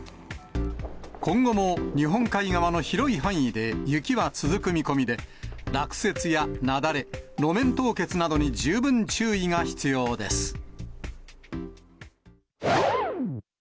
今後も日本海側の広い範囲で雪は続く見込みで、落雪や雪崩、路面凍結などに十分注意が必要です。